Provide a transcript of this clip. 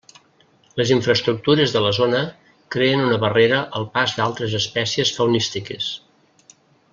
Les infraestructures de la zona creen una barrera al pas d'altres espècies faunístiques.